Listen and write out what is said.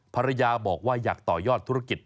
ภรรยาบอกว่าอยากต่อยอดธุรกิจ